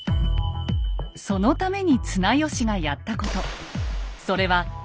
そのために綱吉がやったこと。